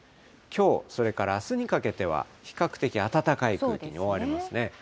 きょう、それからあすにかけては、比較的暖かい空気に覆われますね。